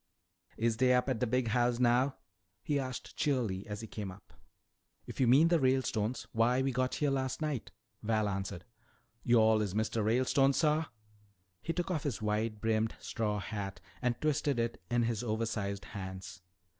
"Is dey up at de big house now?" he asked cheerily as he came up. "If you mean the Ralestones, why, we got here last night," Val answered. "Yo'all is Mistuh Ralestone, suh?" He took off his wide brimmed straw hat and twisted it in his oversized hands.